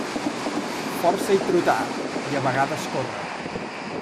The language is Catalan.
Força i trotar, i a vegades córrer.